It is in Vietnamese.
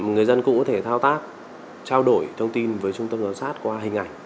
người dân cũng có thể thao tác trao đổi thông tin với trung tâm giám sát qua hình ảnh